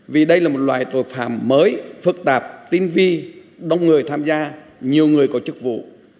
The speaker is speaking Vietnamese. vì đây là một loại tội phạm mới phức tạp tinh vi đông người tham gia nhiều người có chức vụ